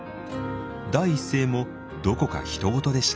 第一声もどこかひと事でした。